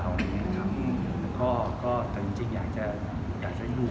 ก็แต่จริงอยากจะทักลุก